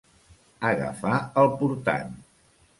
Agafar el portant.